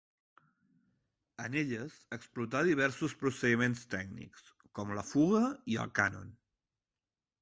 En elles, explotà diversos procediments tècnics, com la fuga i el cànon.